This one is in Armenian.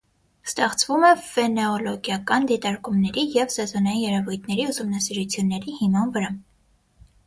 Ստեղծվում է ֆենոլոգիական դիտարկումների և սեզոնային երևույթների ուսումնասիրությունների հիման վրա։